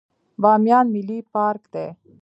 بامیان ملي پارک دی